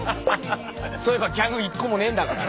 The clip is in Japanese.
そういえばギャグ一個もねえんだから。